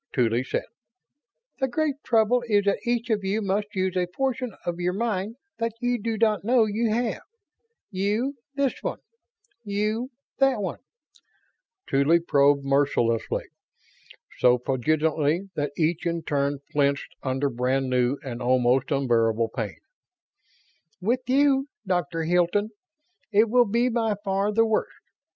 Tuly said: "The great trouble is that each of you must use a portion of your mind that you do not know you have. You, this one. You, that one." Tuly probed mercilessly; so poignantly that each in turn flinched under brand new and almost unbearable pain. "With you, Doctor Hilton, it will be by far the worst.